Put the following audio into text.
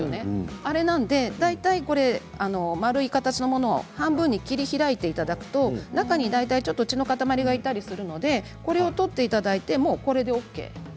あれなので、丸い形のものは半分に切り開いていただくと中に血の塊があったりするのでこれを取っていただければＯＫ。